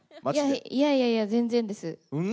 いやいやいや、全然です。